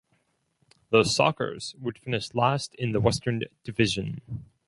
The "Sockers" would finish last in the Western Division.